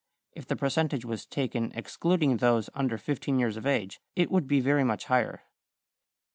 If the percentage was taken excluding those under 15 years of age it would be very much higher.